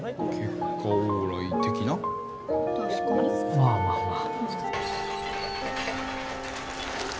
まあまあまあ